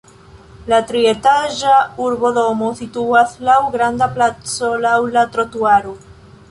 La trietaĝa urbodomo situas laŭ granda placo, laŭ la trotuaro.